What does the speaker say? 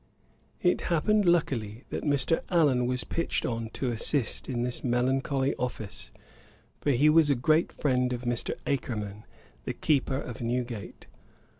It happened luckily that Mr. Allen was pitched on to assist in this melancholy office, for he was a great friend of Mr. Akerman, the keeper of Newgate.